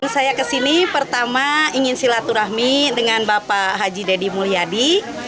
saya kesini pertama ingin silaturahmi dengan bapak haji deddy mulyadi